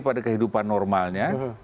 pada kehidupan normalnya